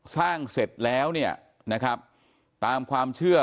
เสร็จแล้วเนี่ยนะครับตามความเชื่อ